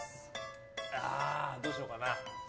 どうしようかな。